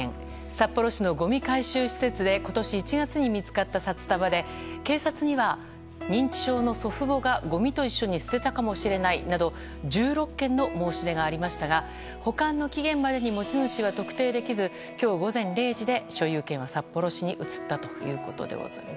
札幌市のごみ回収施設で今年１月に見つかった札束で警察には、認知症の祖父母がごみと一緒に捨てたかもしれないなど１６件の申し出がありましたが保管の期限までに持ち主は特定できず今日午前０時で、所有権は札幌市に移ったということです。